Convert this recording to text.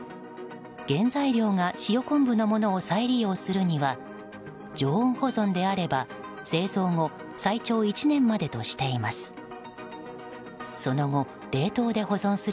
原材料が塩昆布のものを再利用するには常温保存であれば製造後最長１年までとしています。